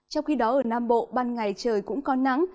trong khi đó ở nam bộ ban ngày trời cũng có nắng